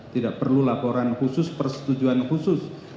tidak perlu laporan khusus persetujuan khusus